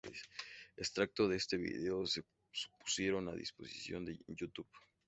Extractos de este vídeo se pusieron a disposición en YouTube.